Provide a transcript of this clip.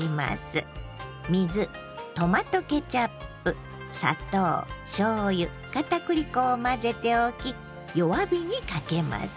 水トマトケチャップ砂糖しょうゆ片栗粉を混ぜておき弱火にかけます。